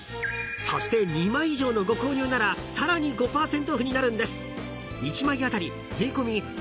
［そして２枚以上のご購入ならさらに５％オフになるんです］